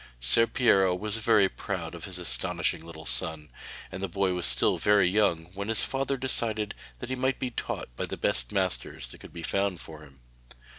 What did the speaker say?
Ser Piero was very proud of his astonishing little son, and the boy was still very young when his father decided that he must be taught by the best masters that could be found for him.